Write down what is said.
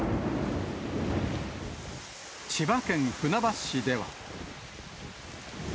千葉県船橋市では。